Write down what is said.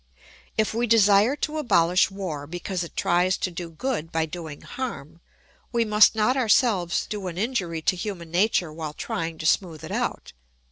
If we desire to abolish war because it tries to do good by doing harm, we must not ourselves do an injury to human nature while trying to smooth it out.